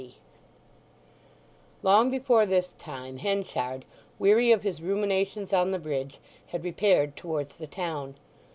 XL. Long before this time Henchard, weary of his ruminations on the bridge, had repaired towards the town.